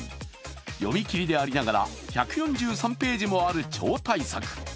読み切りでありながら１４３ページもある超大作。